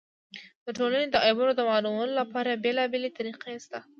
د ټولني د عیبونو د معلومولو له پاره بېلابېلې طریقي سته.